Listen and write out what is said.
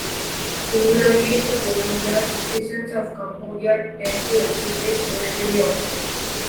Similarly to Colombia, citizens of Cambodia tend to exercise socially outside.